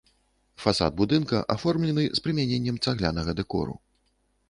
Фасад будынка аформлены з прымяненнем цаглянага дэкору.